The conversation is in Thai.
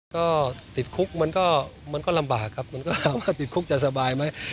ก็ติดคุกมันก็มันก็ลำบากครับมันก็ถามว่าติดคุกจะสบายไหม